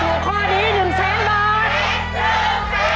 ถูกข้อดี๑แสนบาท